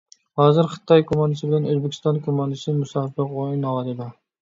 ھازىر خىتاي كوماندىسى بىلەن ئۆزبېكىستان كوماندىسى مۇسابىقە ئويناۋاتىدۇ.